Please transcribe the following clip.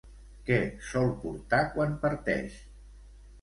Què sol portar quan parteix?